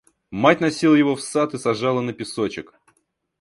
Мать носила его в сад и сажала на песочек.